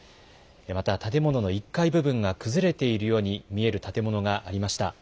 また建物の１階部分が崩れているように見える建物がありました。